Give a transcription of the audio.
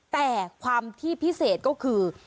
แต่ความที่พิเศษก็คือ